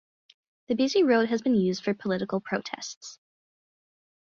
The busy road has been used for political protests.